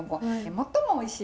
最もおいしい。